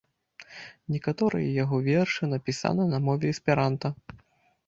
Некаторыя яго вершы напісаны на мове эсперанта.